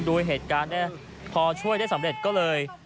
ดูเหตุการณ์ได้พอช่วยได้สำเร็จก็เลย